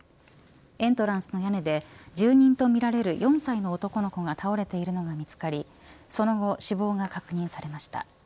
エントランスの屋根で住人とみられる４歳の男の子が倒れているのが見つかりその後、死亡が確認されました。